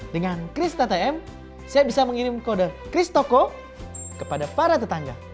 dengan chris tata m saya bisa mengirim kode chris toko kepada para tetangga